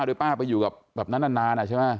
โดยป้าไปอยู่กับแบบนั้นนานใช่ไหม